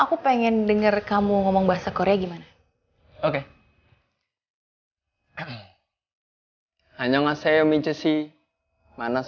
aku pengen denger kamu ngomong bahasa korea gimana